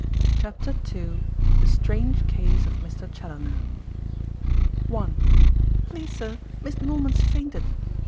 CHAPTER II THE STRANGE CASE OF MR. CHALLONER I "Please, sir, Miss Norman's fainted."